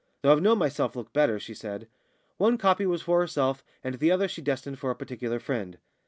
"Though I've known myself look better," she said. One copy was for herself, and the other she destined for a particular friend.